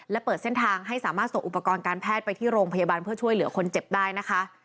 และเปิดเส้นทางให้สามารถส่งอุปกรณ์การแพทย์ไปที่โรงพยาบาลเพื่อช่วยเหลือคนเจ็บได้นะคะ